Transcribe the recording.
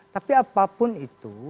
tapi apapun itu